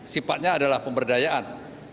sifatnya adalah pemberdayaan